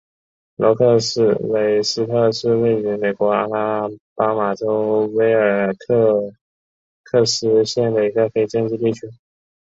罗克韦斯特是位于美国阿拉巴马州威尔科克斯县的一个非建制地区。